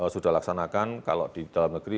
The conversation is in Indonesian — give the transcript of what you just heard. sudah laksanakan kalau di dalam negeri